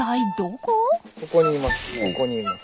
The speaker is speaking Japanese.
ここにいます